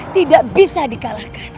tidak bisa dikalahkan